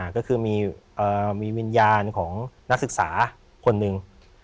ก็คือมีวิญญาณของนักศึกษาคนหนึ่ง